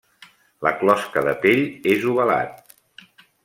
La closca de pell és ovalat.